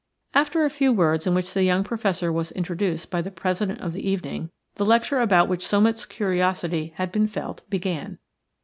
After a few words in which the young Professor was introduced by the President of the evening, the lecture about which so much curiosity had been felt began.